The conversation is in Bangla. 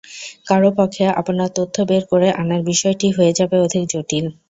কারও পক্ষে আপনার তথ্য বের করে আনার বিষয়টি হয়ে যাবে অধিক জটিল।